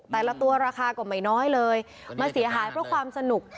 แต่ละตัวราคาก็ไม่น้อยเลยมาเสียหายเพราะความสนุก